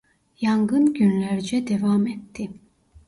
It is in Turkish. Yangın günlerce devam etti.